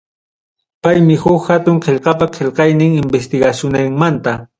Paymi huk hatun qillqapa qillqaynin investigacionniymanta.